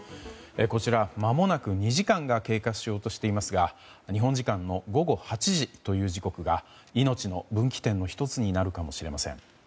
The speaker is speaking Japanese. こちら、まもなく２時間が経過しようとしていますが日本時間の午後８時という時刻が命の分岐点の１つになるかもしれません。